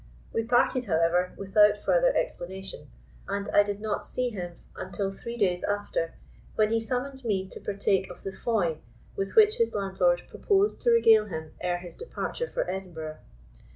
We parted, however, without further explanation, and I did not see him until three days after, when he summoned me to partake of the foy with which his landlord proposed to regale him ere his departure for Edinburgh.